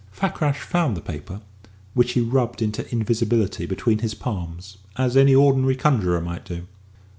Fakrash found the paper, which he rubbed into invisibility between his palms, as any ordinary conjurer might do.